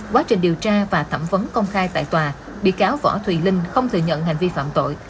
quá trình điều tra và thẩm vấn công khai tại tòa bị cáo võ thùy linh không thừa nhận hành vi phạm tội